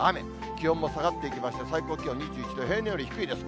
気温も下がっていきまして、最高気温２１度、平年より低いです。